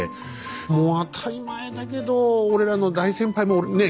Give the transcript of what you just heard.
もう当たり前だけど俺らの大先輩もねえ